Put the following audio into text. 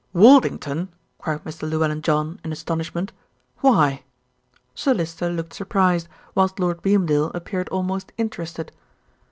"Woldington!" cried Mr. Llewellyn John in astonishment. "Why." Sir Lyster looked surprised, whilst Lord Beamdale appeared almost interested.